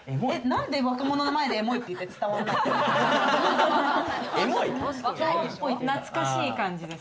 何で若者の前で、エモいって言って伝わらないの？